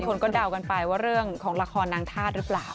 คนก็เดากันไปว่าเรื่องของละครนางธาตุหรือเปล่า